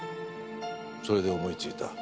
それで思いついた。